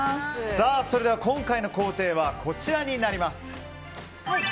それでは今回の工程はこちらになります。